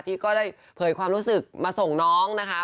ก็ได้เผยความรู้สึกมาส่งน้องนะคะ